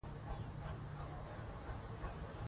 ایوب خان له هراته راورسېد.